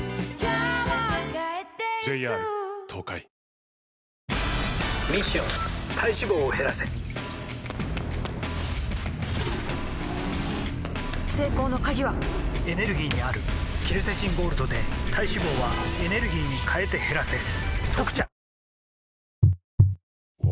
ミッション体脂肪を減らせ成功の鍵はエネルギーにあるケルセチンゴールドで体脂肪はエネルギーに変えて減らせ「特茶」